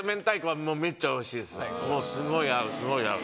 すごい合うすごい合う。